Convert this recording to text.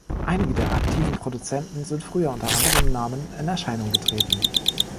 Einige der aktiven Produzenten sind früher unter anderem Namen in Erscheinung getreten.